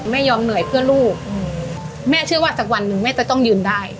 ยอมเหนื่อยเพื่อลูกแม่เชื่อว่าสักวันหนึ่งแม่จะต้องยืนได้